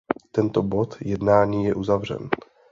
Tento bod jednání je uzavřen.